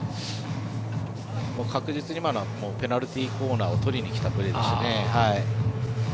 確実に今のはペナルティーコーナーを取りにきたプレーでしたね。